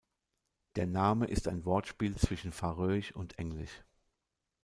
Der Name ist ein Wortspiel zwischen Färöisch und Englisch.